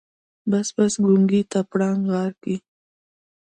بس بس ګونګي ته پړانګ غار کې.